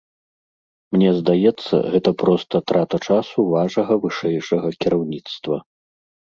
Мне здаецца, гэта проста трата часу вашага вышэйшага кіраўніцтва.